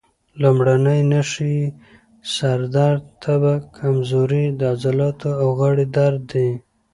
لومړنۍ نښې یې سر درد، تبه، کمزوري، د عضلاتو او غاړې درد دي.